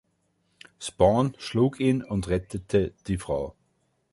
Spawn schlug ihn und rettete die Frau.